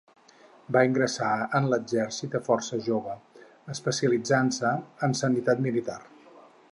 Va ingressar en l'Exèrcit a força jove, especialitzant-se en sanitat militar.